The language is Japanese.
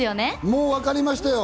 もうわかりましたよ。